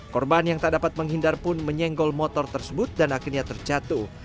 korban yang tak dapat menghindar pun menyenggol motor tersebut dan akhirnya terjatuh